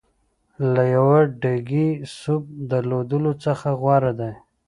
له یوه ډېګي سوپ درلودلو څخه غوره دی.